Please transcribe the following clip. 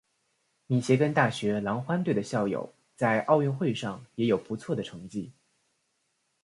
密歇根大学狼獾队的校友在奥运会上也有不错的成绩。